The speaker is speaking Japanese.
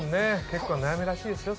結構悩みらしいですよ